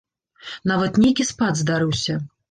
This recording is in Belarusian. Нават нейкі спад здарыўся.